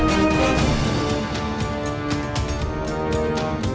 ก็ไม่ได้บอกว่า